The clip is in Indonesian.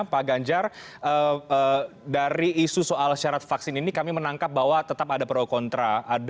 pak ganjar dari isu soal syarat vaksin ini kami menangkap bahwa tetap ada pro kontra